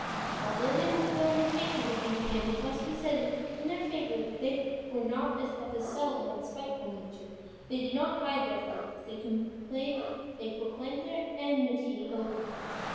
Although they were filled with hatred of him, it must be said in their favor that they were not of a sullen, spiteful nature. They did not hide their feelings, they proclaimed their enmity openly.